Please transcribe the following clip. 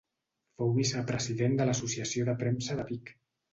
Fou vicepresident de l'Associació de Premsa de Vic.